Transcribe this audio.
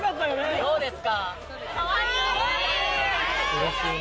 どうですか？